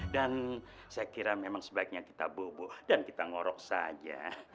dan saya kira memang sebaiknya kita bobo dan kita ngorok saja